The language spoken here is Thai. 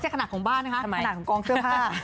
ขนาดของกองเสื้อผ้า